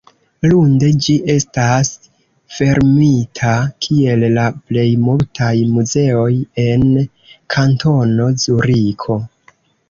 Lunde ĝi estas fermita kiel la plej multaj muzeoj en Kantono Zuriko.